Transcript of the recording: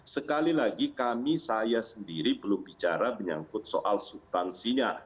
sekali lagi kami saya sendiri belum bicara menyangkut soal subtansinya